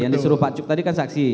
yang disuruh pak cuk tadi kan saksi